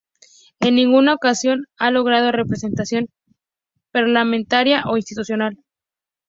En ninguna ocasión ha logrado representación parlamentaria o institucional.